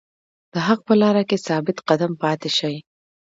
د حق په لاره کې ثابت قدم پاتې شئ.